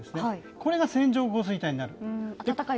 これが線状降水帯になる。